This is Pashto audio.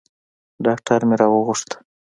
ډاکتر مې راوغوښت.